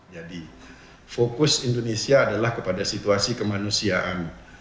jadi fokus indonesia adalah kepada situasi kemanusiaan